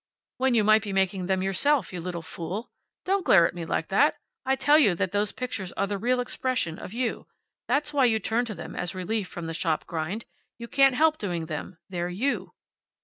"When you might be making them yourself, you little fool. Don't glare at me like that. I tell you that those pictures are the real expression of you. That's why you turn to them as relief from the shop grind. You can't help doing them. They're you."